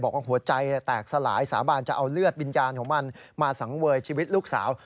หัวใจแตกสลายสาบานจะเอาเลือดวิญญาณของมันมาสังเวยชีวิตลูกสาว